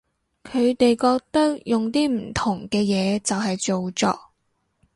佢哋覺得用啲唔同嘅嘢就係造作